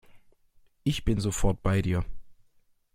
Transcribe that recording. Ich bin sofort bei dir.